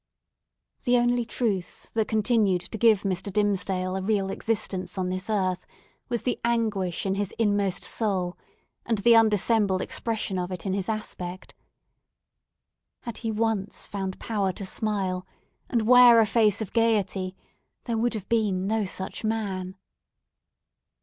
The only truth that continued to give Mr. Dimmesdale a real existence on this earth was the anguish in his inmost soul, and the undissembled expression of it in his aspect. Had he once found power to smile, and wear a face of gaiety, there would have been no such man!